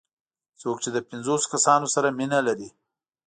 څوک چې د پنځوسو کسانو سره مینه لري.